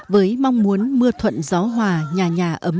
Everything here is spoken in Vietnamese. với mong muốn mưa thuận gió hòa nhà nhà ấm áp